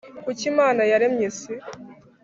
Kuki Imana yaremye isi?